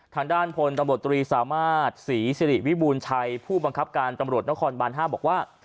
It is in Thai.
ทางด้านพลตำรวจตรีสามารถศรีสิริวิบูรณ์ชัยผู้บังคับการตำรวจนครบาน๕บอกว่า